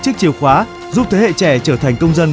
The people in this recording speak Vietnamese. chiếc chìa khóa giúp thế hệ trẻ trở thành công dân